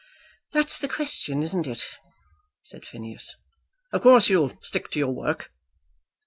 "That's the question; isn't it?" said Phineas. "Of course you'll stick to your work?"